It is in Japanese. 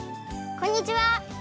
こんにちは。